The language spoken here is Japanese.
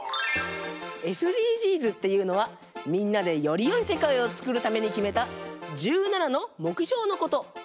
ＳＤＧｓっていうのはみんなでよりよいせかいをつくるためにきめた１７のもくひょうのこと。